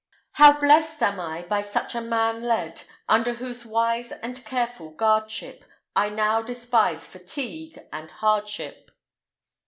How blest am I by such a man led, Under whose wise and careful guardship I now despise fatigue and hardship!